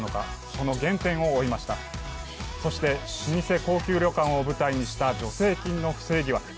そして、老舗高級旅館を舞台にした助成金の不正疑惑。